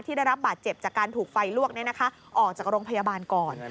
ได้รับบาดเจ็บจากการถูกไฟลวกออกจากโรงพยาบาลก่อน